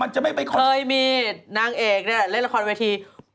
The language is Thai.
ใช่เคยมีนางเอกเล่นละครวิที